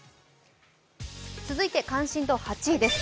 続いて関心度８位です。